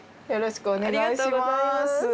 よろしくお願いします。